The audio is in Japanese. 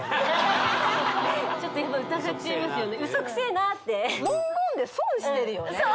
ちょっとやっぱ疑っちゃいますよね